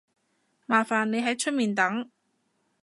麻煩你喺出面等